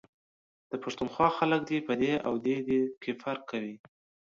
د پښتونخوا خلک دی ، په دي او دی.دے کي فرق کوي ،